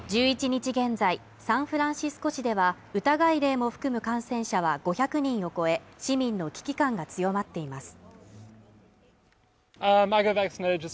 １１日現在サンフランシスコ市では疑い例も含む感染者は５００人を超え市民の危機感が強まっています